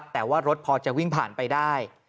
แต่ว่ารถพอจะวิ่งผ่านไปได้